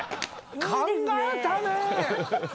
考えたね。